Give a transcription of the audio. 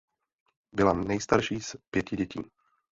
Byla nejstarší z pěti dětí.